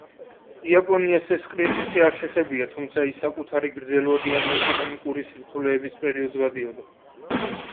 იაპონიას ეს კრიზისი არ შეხებია, თუმცა ის საკუთარი გრძელვადიანი ეკონომიკური სირთულეების პერიოდს გადიოდა.